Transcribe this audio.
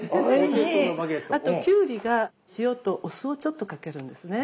あときゅうりが塩とお酢をちょっとかけるんですね。